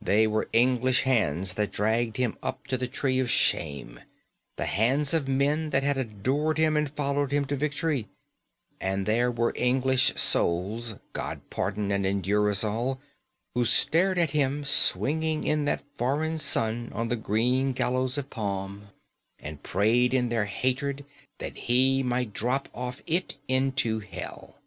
They were English hands that dragged him up to the tree of shame; the hands of men that had adored him and followed him to victory. And they were English souls (God pardon and endure us all!) who stared at him swinging in that foreign sun on the green gallows of palm, and prayed in their hatred that he might drop off it into hell."